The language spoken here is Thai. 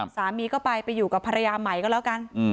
สามีก็ไปไปอยู่กับภรรยาใหม่ก็แล้วกัน